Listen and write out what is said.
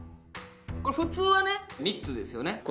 これ普通はね３つですよね